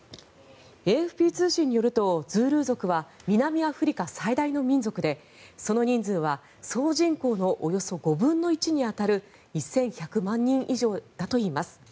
ＡＦＰ通信によるとズールー族は南アフリカ最大の民族でその人数は総人口のおよそ５分の１に当たる１１００万人以上だといいます。